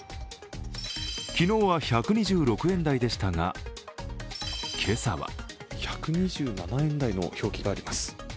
昨日は１２６円台でしたが、今朝は１２７円台の表記があります。